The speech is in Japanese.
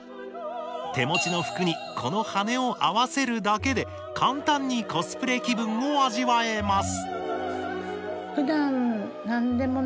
手持ちの服にこの羽根を合わせるだけで簡単にコスプレ気分を味わえます